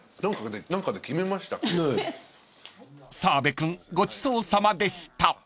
［澤部君ごちそうさまでした］